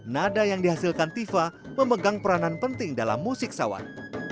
nada yang dihasilkan tifa memegang peranan penting dalam musik sawan